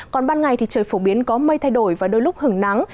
còn ban ngày thì trời phổ biến có mây thay đổi và đôi lúc hứng nắng